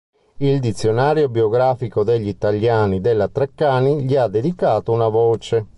Il "Dizionario Biografico degli Italiani" della Treccani gli ha dedicato una voce.